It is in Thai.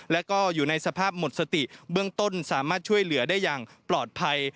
แล้วก็อยู่ในสภาพหมดสติเบื้องต้นสามารถช่วยเหลือได้อย่างปลอดภัย